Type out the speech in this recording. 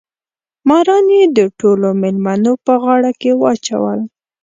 ماران یې د ټولو مېلمنو په غاړو کې راچول.